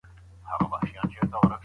که ته په ډېرو ژبو پوهېږې نو نړۍ پېژنې.